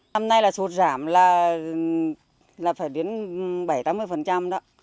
năm nay là sụt giảm là phải đến bảy tám mươi đó